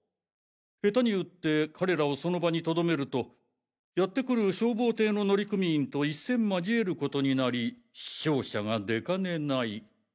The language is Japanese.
下手に撃って彼らをその場に留めるとやってくる消防艇の乗組員と一戦交えることになり死傷者が出かねない。